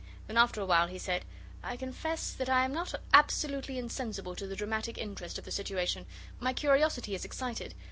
Then after a while he said 'I confess that I am not absolutely insensible to the dramatic interest of the situation. My curiosity is excited.